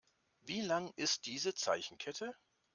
Wie lang ist diese Zeichenkette?